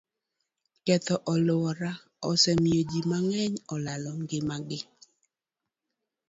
Ketho alwora osemiyo ji mang'eny olalo ngimagi.